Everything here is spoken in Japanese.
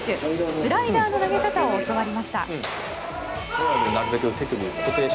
スライダーの投げ方を教わりました。